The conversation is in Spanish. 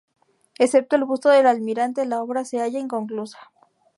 Excepto el busto del almirante, la obra se halla inconclusa.